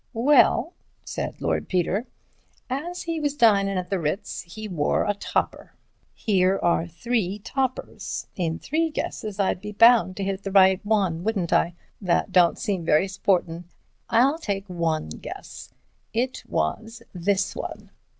"Well," said Lord Peter, "as he was dinin' at the Ritz he wore a topper. Here are three toppers. In three guesses I'd be bound to hit the right one, wouldn't I? That don't seem very sportin'. I'll take one guess. It was this one."